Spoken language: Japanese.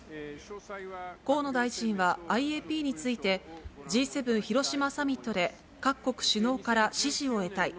河野大臣は、ＩＡＰについて、Ｇ７広島サミットで各国首脳から支持を得たい。